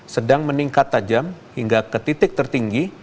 sedang meningkat tajam hingga ke titik tertinggi